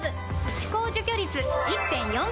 歯垢除去率 １．４ 倍！